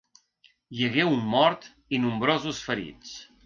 Hi hagué un mort i nombrosos ferits.